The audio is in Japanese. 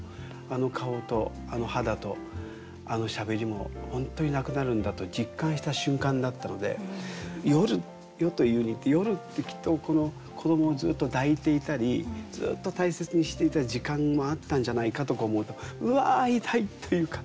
あの顔とあの肌とあのしゃべりも本当になくなるんだと実感した瞬間だったので「夜と云ふに」「夜」ってきっとこの子どもをずっと抱いていたりずっと大切にしていた時間もあったんじゃないかとか思うとうわ痛いというか。